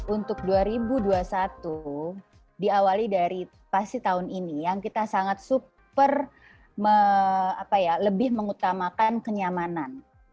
untuk dua ribu dua puluh satu diawali dari pasti tahun ini yang kita sangat super lebih mengutamakan kenyamanan